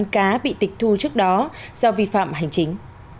cá bị tịch thu trước đó do vi phạm hành chính